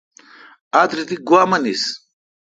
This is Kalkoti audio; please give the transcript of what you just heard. آتری تی گوا منیس۔